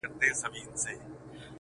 چي وايي-